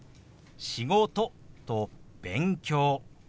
「仕事」と「勉強」。